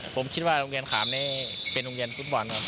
ผมคิดว่าโรงเรียนขามนี้เป็นโรงเรียนฟุตบอลครับ